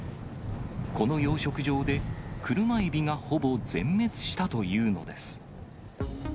この養殖場で車エビがほぼ全滅したというのです。